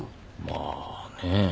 まあねえ。